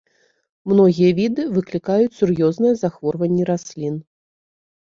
Многія віды выклікаюць сур'ёзныя захворванні раслін.